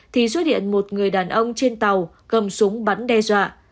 thì xuất hiện một người đàn ông trên tàu cầm súng bắn đe dọa